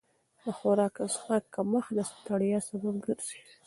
د خوراک او څښاک کمښت د ستړیا سبب ګرځي.